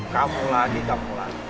kamulah kita mulai